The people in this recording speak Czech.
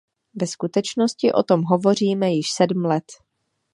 Ve skutečnosti o tom hovoříme již sedm let.